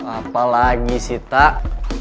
apalagi sih tak